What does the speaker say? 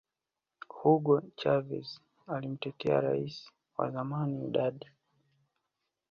hugo chavez alimtetea rais wa zamani udanda